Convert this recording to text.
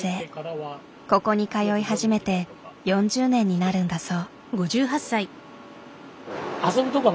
ここに通い始めて４０年になるんだそう。